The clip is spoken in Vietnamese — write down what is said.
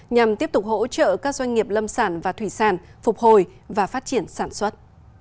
nhằm tiếp tục hỗ trợ các doanh nghiệp lâm sản và thủy sản phục hồi và phát triển sản xuất